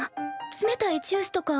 冷たいジュースとか？